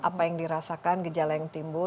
apa yang dirasakan gejala yang timbul